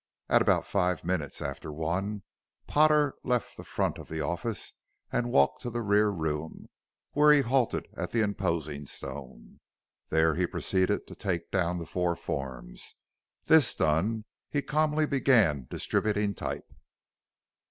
At about five minutes after one, Potter left the front of the office and walked to the rear room where he halted at the imposing stone. There he proceeded to "take down" the four forms. This done he calmly began distributing type.